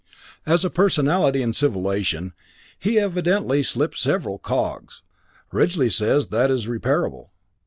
As a personality in civilization, he'd evidently slipped several cogs. Ridgely says that is reparable.